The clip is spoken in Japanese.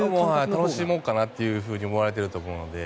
楽しもうって思われていると思うので。